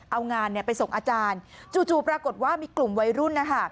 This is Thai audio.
เอางานไปส่งอาจารย์จู่ปรากฏว่ามีกลุ่มวัยรุ่นนะคะ